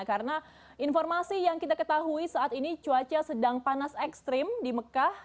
karena informasi yang kita ketahui saat ini cuaca sedang panas ekstrim di mekah